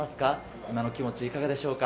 今の気持ち、いかがでしょうか？